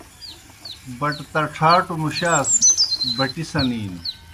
بٹ تَڇَھاٹوْ مُشاس بَٹِی سنِینوْ۔